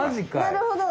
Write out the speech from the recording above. なるほど。